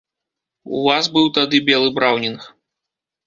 У вас быў тады белы браўнінг.